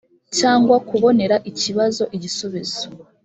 cyangwa kubonera ikibazo igisubizo